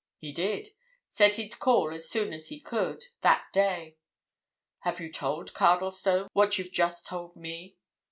"He did. Said he'd call as soon as he could—that day." "Have you told Cardlestone what you've just told me?"